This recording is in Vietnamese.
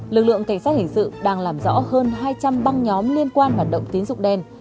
lực lượng cảnh sát hình sự đang làm rõ hơn hai trăm linh băng nhóm liên quan hoạt động tín dụng đen